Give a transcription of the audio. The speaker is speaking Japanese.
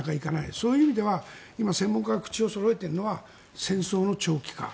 そういう意味では今、専門家が口をそろえているのは戦争の長期化。